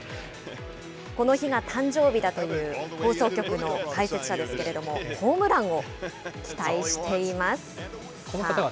この日が誕生日だという放送局の解説者ですけれども、ホームランを期待しています。